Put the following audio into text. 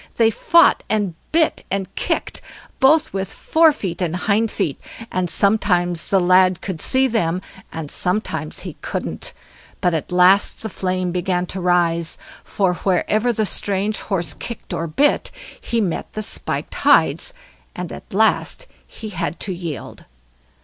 They fought and bit, and kicked, both with fore feet and hind feet, and sometimes the lad could see them, and sometimes he couldn't; but at last the flame began to rise; for wherever the strange horse kicked or bit, he met the spiked hides, and at last he had to yield.